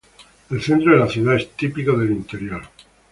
El centro de la ciudad es típico del interior.